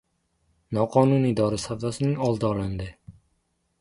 Noqonuniy dori savdosining oldi olindi